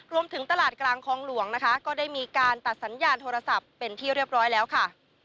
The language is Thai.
รวมถึงตลาดกลางคลองหลวงนะคะก็ได้มีการตัดสัญญาณโทรศัพท์เป็นที่เรียบร้อยแล้วค่ะ